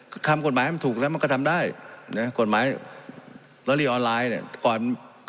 ก็ทำกฎหมายมันถูกแล้วมันก็ทำได้เนี่ยกฎหมายร้อนไลน์เนี่ยก่อน